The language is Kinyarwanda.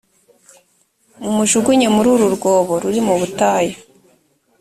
mumujugunye muri uru rwobo ruri mu butayu